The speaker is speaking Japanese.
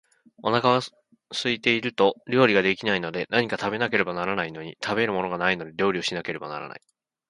お腹が空いていると料理が出来ないので、何か食べなければならないのに、食べるものがないので料理をしなければならない